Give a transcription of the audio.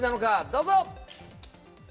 どうぞ。